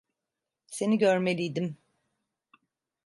Seni görmeliydim.